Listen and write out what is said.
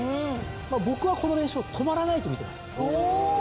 僕はこの連勝止まらないと見てます。